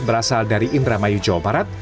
berasal dari indramayu jawa barat